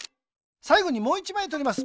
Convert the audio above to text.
さいごにもう１まいとります。